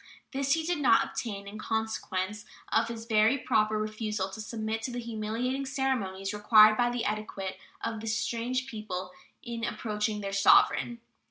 This he did not obtain, in consequence of his very proper refusal to submit to the humiliating ceremonies required by the etiquette of this strange people in approaching their sovereign.